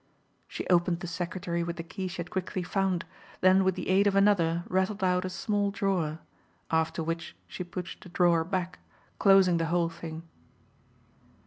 She opened the secretary with the key she had quickly found, then with the aid of another rattled out a small drawer; after which she pushed the drawer back, closing the whole thing.